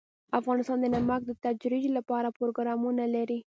افغانستان د نمک د ترویج لپاره پروګرامونه لري.